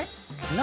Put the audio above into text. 何？